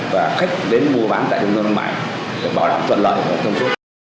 và khách đến mua bán tại trung tâm thương mại bảo đảm thuận lợi trong suốt